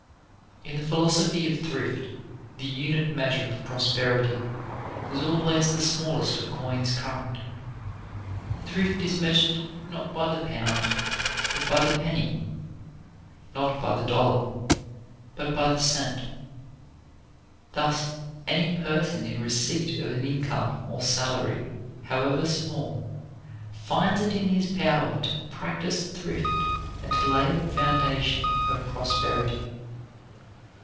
In the philosophy of thrift, the unit measure of prosperity is always the smallest of coins current. Thrift is measured not by the pound but by the penny, not by the dollar but by the cent. Thus any person in receipt of an income or salary however small finds it in his power to practise thrift and to lay the foundation of prosperity.